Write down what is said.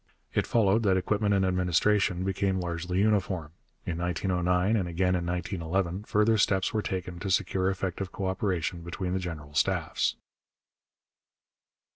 It followed that equipment and administration became largely uniform. In 1909, and again in 1911, further steps were taken to secure effective co operation between the General Staffs.